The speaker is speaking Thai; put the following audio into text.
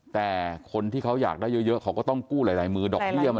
แต่คนที่เขาอยากได้เยอะเยอะเขาก็ต้องกู้หลายหลายมือหลายหลายมือ